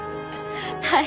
はい。